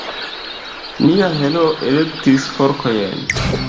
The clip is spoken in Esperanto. Nia heroo elektis forkojn.